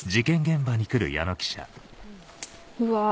うわ